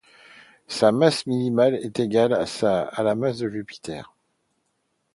Sa masse minimale est égale à la masse de Jupiter.